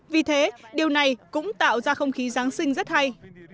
vì thế điều này cũng tạo ra không khí giáng sinh rất hay